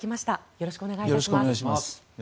よろしくお願いします。